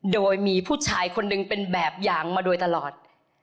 โดยมีผู้ชายคนหนึ่งเป็นแบบอย่างมาโดยตลอด